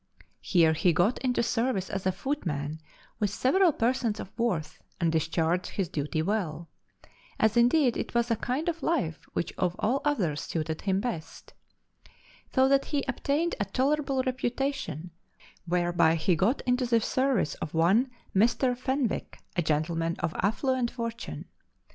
Here he got into service as a footman with several persons of worth, and discharged his duty well (as indeed it was a kind of life which of all others suited him best), so that he obtained a tolerable reputation whereby he got into the service of one Mr. Fenwick, a gentleman of affluent fortune.